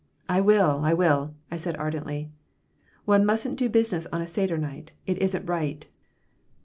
"I will, I will," I said, ardently. "One mustn't do business on a seder night. It isn't right."